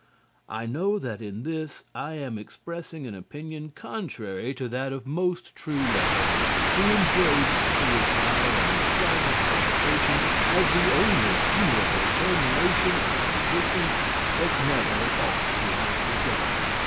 I know that in this I am expressing an opinion contrary to that of most true lovers who embrace suicide on the slightest provocation as the only honourable termination of an existence that never ought to have begun.